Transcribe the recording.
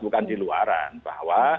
bukan di luaran bahwa